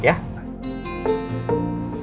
ini om baik